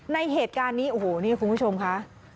ในเหตุการณ์นี้โอ้โหนี่คุณผู้ชมค่ะ